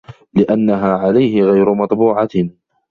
لِأَنَّهَا عَلَيْهِ غَيْرُ مَطْبُوعَةٍ